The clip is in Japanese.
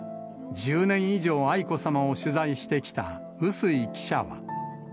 １０年以上愛子さまを取材してきた笛吹記者は。